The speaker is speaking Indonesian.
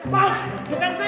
pak bukan saya pak